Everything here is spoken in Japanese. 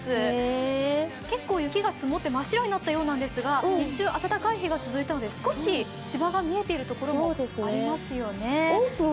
結構雪が積もって真っ白になっているんですが日中、暖かい日があったんで少し芝が見えている所もありますね。